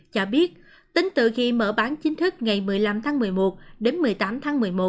cho biết tính từ khi mở bán chính thức ngày một mươi năm tháng một mươi một đến một mươi tám tháng một mươi một